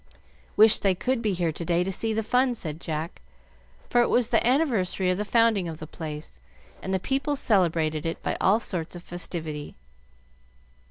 "Wish they could be here to day to see the fun," said Jack, for it was the anniversary of the founding of the place, and the people celebrated it by all sorts of festivity.